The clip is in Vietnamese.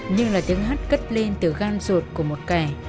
nhưng là tiếng hát cất lên từ gan ruột của một kẻ